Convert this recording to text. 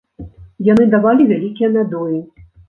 Яны давалі вялікія надоі.